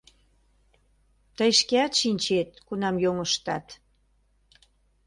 Тый шкеат шинчет, кунам йоҥыштат.